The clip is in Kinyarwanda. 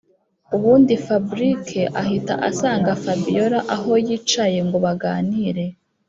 ubundi fabric ahita asanga fabiora aho yicaye ngo baganire.